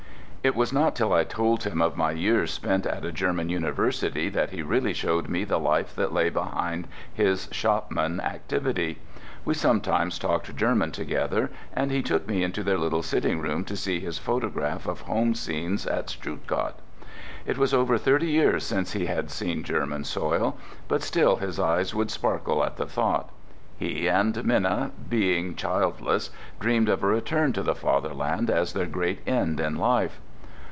It was not till I told him of my years spent at a German University that he really showed me the life that lay behind his shopman activity. We sometimes talked German together, and he took me into their little sitting room to see his photographs of home scenes at Stuttgart. It was over thirty years since he had seen German soil, but still his eyes would sparkle at the thought. He and Minna, being childless, dreamed of a return to the Fatherland as their great end in life.